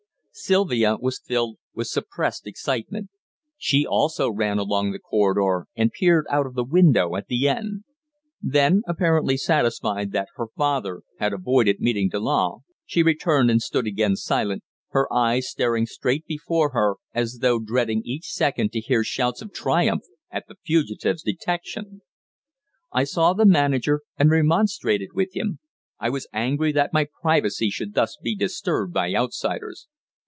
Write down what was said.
Sylvia was filled with suppressed excitement. She also ran along the corridor and peered out of the window at the end. Then, apparently satisfied that her father had avoided meeting Delanne, she returned and stood again silent, her eyes staring straight before her as though dreading each second to hear shouts of triumph at the fugitive's detection. I saw the manager and remonstrated with him. I was angry that my privacy should thus be disturbed by outsiders.